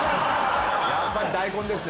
やっぱり大根ですね。